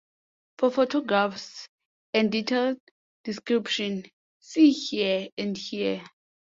For photographs and detailed description, see here and here.